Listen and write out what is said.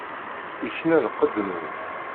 Ikna lqedd-nwen.